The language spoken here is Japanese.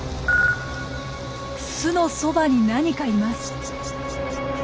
巣のそばに何かいます！